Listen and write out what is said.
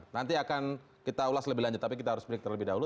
nanti akan kita ulas lebih lanjut tapi kita harus break terlebih dahulu